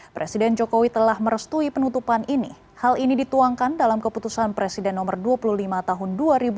presiden jokowi telah merestui penutupan ini hal ini dituangkan dalam keputusan presiden nomor dua puluh lima tahun dua ribu dua puluh